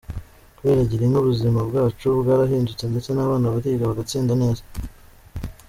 Kubera Girinka, ubuzima bwacu bwarahindutse ndetse n’ abana bariga bagatsinda neza.